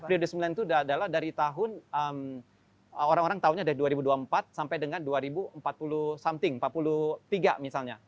periode sembilan itu adalah dari tahun orang orang tahunya dari dua ribu dua puluh empat sampai dengan dua ribu empat puluh something empat puluh tiga misalnya